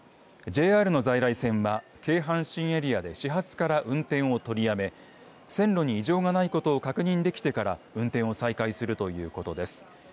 ＪＲの在来線は京阪神エリアで始発から運転を取りやめ線路に異常がないことが確認できてから運転を再開するということです。